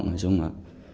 nói chung là